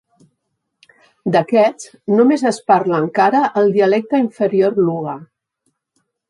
D'aquests, només es parla encara el dialecte inferior luga